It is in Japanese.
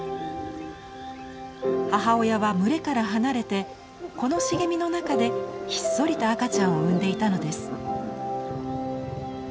母親は群れから離れてこの茂みの中でひっそりと赤ちゃんを産んでいたのです。